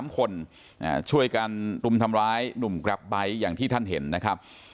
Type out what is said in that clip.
๓คนช่วยกันรุมทำร้ายหนุ่มแกรปไบท์อย่างที่ท่านเห็นนะครับ